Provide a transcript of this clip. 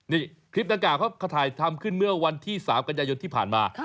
นี่คลิปดังกล่าเขาถ่ายทำขึ้นเมื่อวันที่๓กันยายนที่ผ่านมา